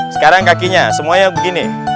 sekarang kakinya semuanya begini